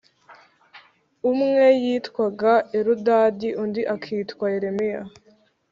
Umwe yitwaga Eludadi undi akitwa Yeremiya